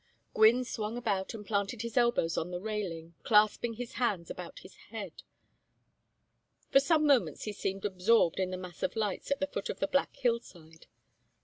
Gwynne swung about and planted his elbows on the railing, clasping his hands about his head. For some moments he seemed absorbed in the mass of lights at the foot of the black hill side.